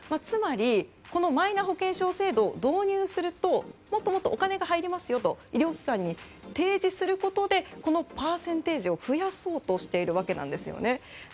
つまり、このマイナ保険証制度を導入するともっとお金が入りますよと医療機関に提示することでこのパーセンテージを増やそうとしているわけなんですよね。